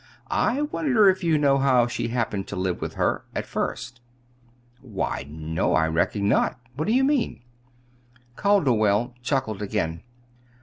"I wonder if you know how she happened to live with her, at first." "Why, no, I reckon not. What do you mean?" Calderwell chuckled again.